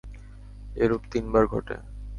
এরূপ তিনবার ঘটে।